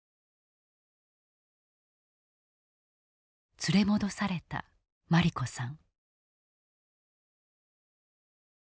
連れ戻された茉莉子さん。